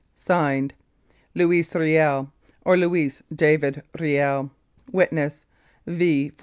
" (Signed) Louis KIEL or Louis ' DAVID' KIEL/' "(Witness) V.